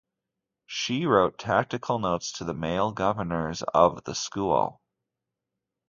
She wrote tactical notes to the (male) governors of the school.